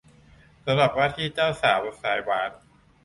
สำหรับว่าที่เจ้าสาวสายหวาน